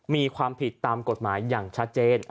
มีความผิดตามกฎหมายอย่างชัดเจน